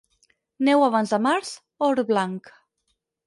Neu abans de març, or blanc.